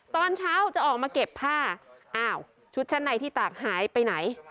ตอนเช้าจะออกมาเก็บผ้าอ้าวชุดชั้นในที่ตากหายไปไหน